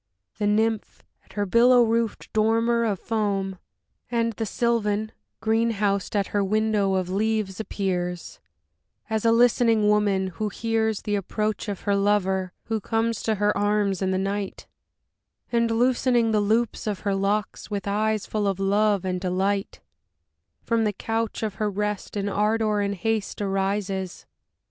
The Nymph, at her billow roofed dormer Of foam; and the Sylvan green housed at her window of leaves appears; As a listening woman, who hears The approach of her lover, who comes to her arms in the night; And, loosening the loops of her locks, With eyes full of love and delight, From the couch of her rest in ardor and haste arises.